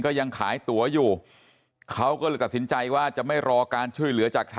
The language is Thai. ยังขายตัวอยู่เขาก็เลยตัดสินใจว่าจะไม่รอการช่วยเหลือจากทาง